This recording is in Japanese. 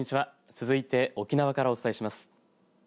続いて沖縄からお伝えします。